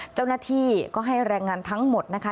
เจ้าหน้าที่ก็ให้แรงงานทั้งหมดนะคะ